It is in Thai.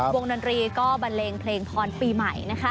วงดนตรีก็บันเลงเพลงพรปีใหม่นะคะ